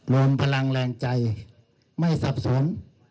รวมพลังแรงใจไม่สับสน